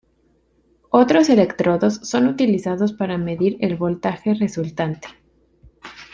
Otros electrodos son utilizados para medir el voltaje resultante.